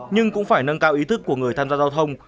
nhưng cũng phải nâng cao ý thức của người tham gia giao thông